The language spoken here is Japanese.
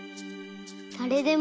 だれでも？